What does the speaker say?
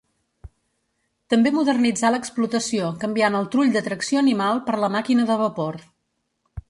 També modernitzà l'explotació canviant el trull de tracció animal per la màquina de vapor.